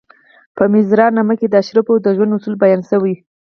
په میرزا نامه کې د اشرافو د ژوند اصول بیان شوي.